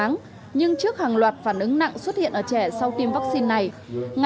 gần một tháng nhưng trước hàng loạt phản ứng nặng xuất hiện ở trẻ sau tiêm vaccine này ngành y tế cần phải